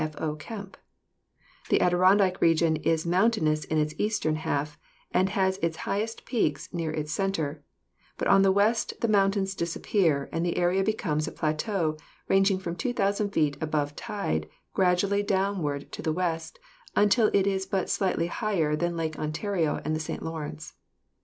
F. O. Kemp: "The Adirondack region is mountainous in its eastern Tialf and has its highest peaks near its center, but on the west the mountains disappear and the area becomes a plateau ranging from 2,000 feet above tide gradually down ward to the west until it is but slightly higher than Lake Ontario and the St. Lawrence.